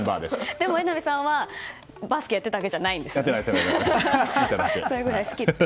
でも榎並さんはバスケをやってたわけじゃやってない。